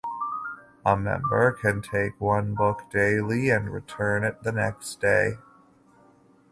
A member can take one book daily and return it the next day.